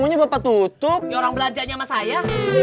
yang orang belajarnya sama saya